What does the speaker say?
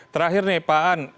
terakhir nih pak an